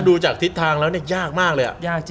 ดูจากทิศทางแล้วเนี่ยยากมากเลยอะ